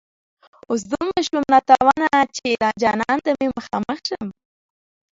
اوس دومره شوم ناتوانه چي جانان ته مخامخ شم